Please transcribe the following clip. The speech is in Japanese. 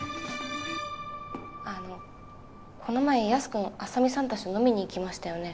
あのこの前ヤス君浅見さん達と飲みに行きましたよね？